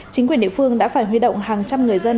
chính quyền địa phương đã phải huy động hàng trăm người dân